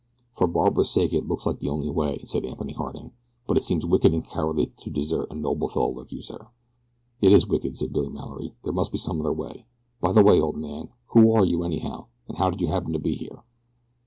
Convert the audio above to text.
"For Barbara's sake it looks like the only way," said Anthony Harding, "but it seems wicked and cowardly to desert a noble fellow like you, sir." "It is wicked," said Billy Mallory. "There must be some other way. By the way, old man, who are you anyhow, and how did you happen to be here?"